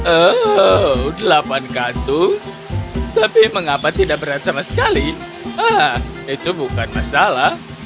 oh delapan kantung tapi mengapa tidak berat sama sekali itu bukan masalah